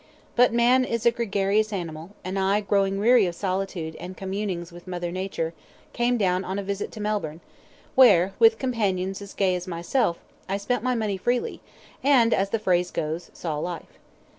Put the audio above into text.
But man is a gregarious animal, and I, growing weary of solitude and communings with Mother Nature, came down on a visit to Melbourne, where, with companions as gay as myself, I spent my money freely, and, as the phrase goes, saw life.